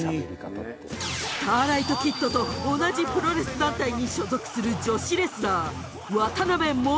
スターライト・キッドと同じプロレス団体に所属する女子レスラー渡辺桃。